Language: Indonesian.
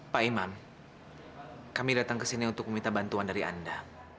pak imam kami datang ke sini untuk meminta bantuan dari anda